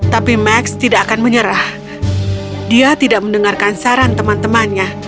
tapi max tidak akan menyerah dia tidak mendengarkan saran teman temannya